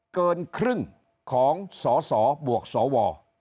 เกินครึ่งของสสบวกสว